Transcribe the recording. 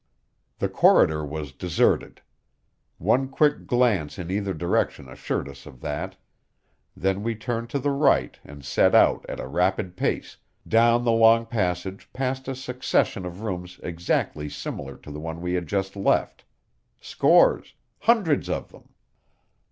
The corridor was deserted. One quick glance in either direction assured us of that; then we turned to the right and set out at a rapid pace, down the long passage past a succession of rooms exactly similar to the one we had just left scores, hundreds of them.